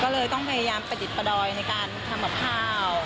ก็เลยต้องพยายามประดิษฐ์ประดอยในการทำกับข้าว